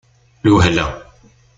Lwehla